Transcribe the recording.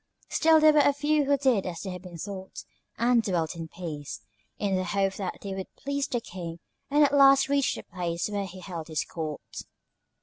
Still there were a few who did as they had been taught, and dwelt in peace, in the hope that they would please the King and at last reach the place where he held his court.